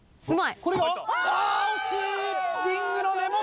うまい！